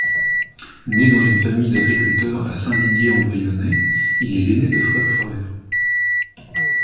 Né dans une famille d'agriculteurs à Saint-Dider-en-Brionnais, il est l'aîné de frères frères.